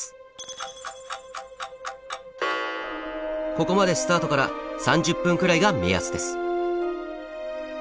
ここまでスタートから３０分くらいが目安です。